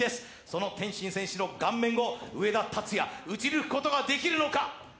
その天心選手の顔面を上田竜也、打ち抜くことができるのか。